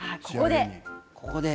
ここで。